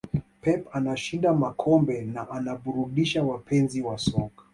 pep anashinda makombe na anaburudisha wapenzi wa soka